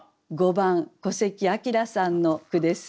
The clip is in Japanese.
５番古関聰さんの句です。